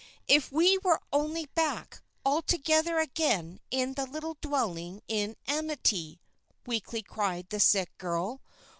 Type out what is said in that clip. "If we were only back, all together again, in the little dwelling in amity," weakly cried the sick girl.